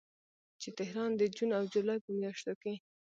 چې تهران د جون او جولای په میاشتو کې